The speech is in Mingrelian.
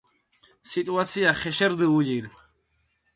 სიტუაცია ხეშე რდჷ ულირი.